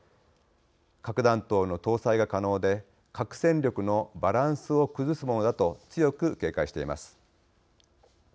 核弾頭の搭載が可能で核戦力のバランスを崩すものだと強く警戒しています。